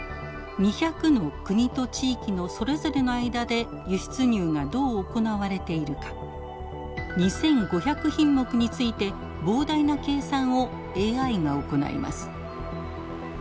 ２００の国と地域のそれぞれの間で輸出入がどう行われているか２，５００品目について膨大な計算をＡＩが行います。